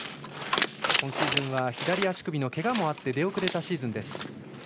今シーズンは左足首のけがもあって出遅れたシーズンです。